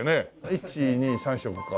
１２３色か。